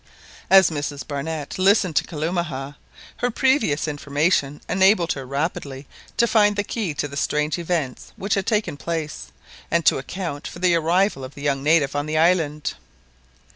As Mrs Barnett listened to Kalumah, her previous information enabled her rapidly to find the key to the strange events which had taken place, and to account for the arrival of the young native on the island.